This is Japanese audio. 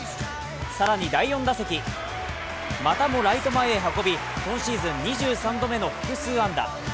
更に第４打席、またもライト前へ運び、今シーズン２３度目の複数安打。